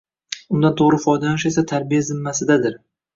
Undan to‘g‘ri foydalanish esa tarbiya zimmasidadir